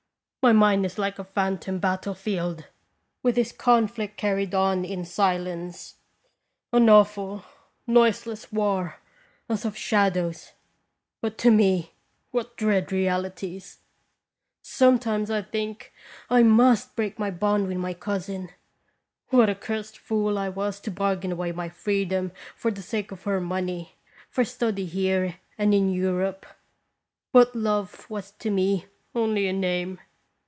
My mind is like a phantom battle field, with this conflict carried on in silence an awful, noiseless war, as of shadows ; but, to me, what dread realities ! Sometimes I think I must break my bond with my cousin. What a cursed fool I was to bargain away my freedom for the sake of her money, for study here and in Europe ! But love was to me only a name.